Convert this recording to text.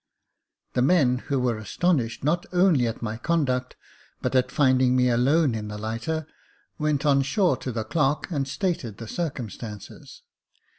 The men, who were astonished not only at my conduct but at finding me alone in the lighter, went on shore to the clerk, and stated the circumstances.